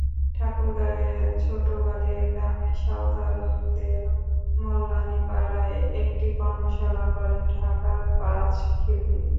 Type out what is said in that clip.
ঠাকুরগাঁওয়ের ছোটবালিয়া গ্রামের সাঁওতালদের মোল্লানী পাড়ায় একটি কর্মশালা করেন ঢাকার পাঁচ শিল্পী।